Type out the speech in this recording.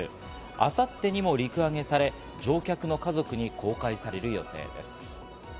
明後日にも陸揚げされ、乗客の家族に公開される予定です。